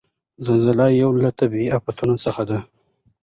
زلزله یو له طبعیي آفتونو څخه ده.